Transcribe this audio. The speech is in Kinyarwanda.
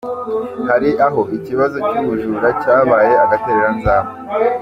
Hari aho ikibazo cy’ubujura cyabaye agatereranzamba